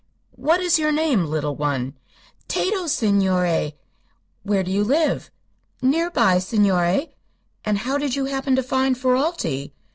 "What is your name, little one?" "Tato, signore." "Where do you live?" "Near by, signore." "And how did you happen to find Ferralti?"